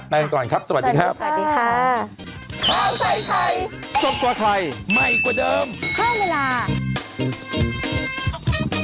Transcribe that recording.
ไปก่อนครับสวัสดีครับสวัสดีค่ะสวัสดีค่ะ